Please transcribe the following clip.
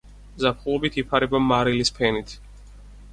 ზაფხულობით იფარება მარილის ფენით.